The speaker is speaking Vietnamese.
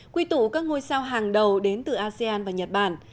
quy tụ các ngôi sao hàng đầu đến từ asean và nhật bản